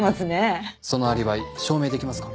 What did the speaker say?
そのアリバイ証明できますか？